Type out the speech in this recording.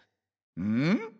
うん？